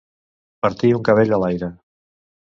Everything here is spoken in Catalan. Partir un cabell a l'aire.